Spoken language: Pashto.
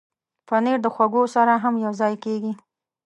پنېر د خواږو سره هم یوځای کېږي.